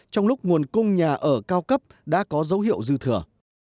trong lúc nguồn cung nhà ở cao cấp đã có dấu hiệu dư thừa